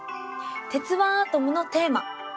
「鉄腕アトム」のテーマ。